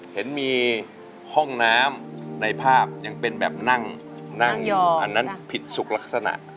เห็นมีห้องน้ำในภาพยังเป็นแบบนั่งนั่งอันนั้นผิดสุขลักษณะ